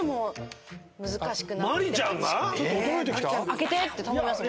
開けてって頼みますもん。